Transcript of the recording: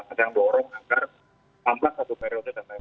ada yang dorong agar tambah satu periode